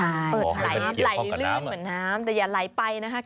ไหลลื่นเหมือนน้ำแต่อย่าไหลไปนะคะ